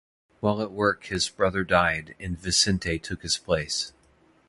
While at work his brother died, and Vicente took his place.